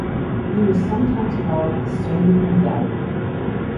He was sometimes called "the Serbian Gaudi".